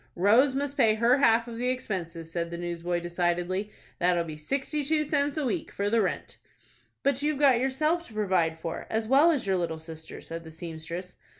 "Rose must pay her half of the expenses," said the newsboy, decidedly. "That'll be sixty two cents a week for the rent." "But you've got yourself to provide for, as well as your little sister," said the seamstress.